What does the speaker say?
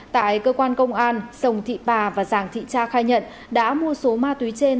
tại cơ quan công an sồng thị bà và giàng thị cha khai nhận đã mua số ma túy trên